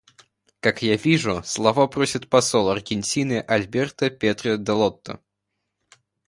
Как я вижу, слова просит посол Аргентины Альберто Педро д'Алотто.